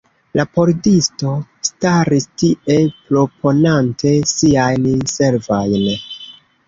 La pordisto staris tie, proponante siajn servojn.